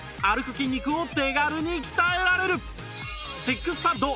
筋肉を手軽に鍛えられる